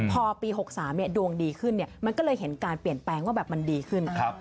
พอปี๖๓ดวงดีขึ้นมันก็เลยเห็นการเปลี่ยนแปลงว่าแบบมันดีขึ้น